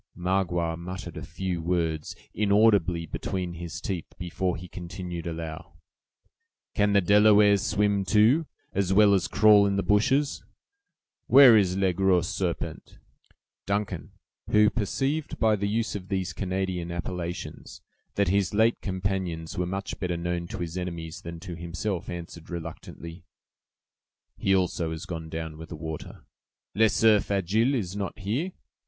Magua muttered a few words, inaudibly, between his teeth, before he continued, aloud: "Can the Delawares swim, too, as well as crawl in the bushes? Where is 'Le Gros Serpent'?" Duncan, who perceived by the use of these Canadian appellations, that his late companions were much better known to his enemies than to himself, answered, reluctantly: "He also is gone down with the water." "'Le Cerf Agile' is not here?"